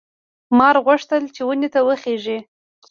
مار غوښتل چې ونې ته وخېژي.